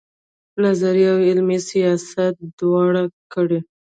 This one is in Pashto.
نظري او عملي سیاست یې دواړه کړي.